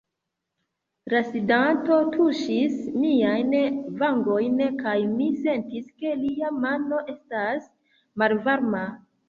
La sidanto tuŝis miajn vangojn, kaj mi sentis, ke lia mano estas malvarma.